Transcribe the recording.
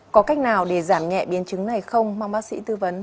có cách nào để giảm nhẹ biến chứng này không mong bác sĩ tư vấn